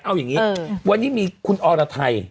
เอาอย่างนี้วันนี้มีคุณอรไทย